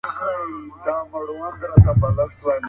صنعتکارانو د خپلو فابريکو توليد زيات کړ.